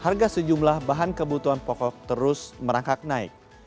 harga sejumlah bahan kebutuhan pokok terus merangkak naik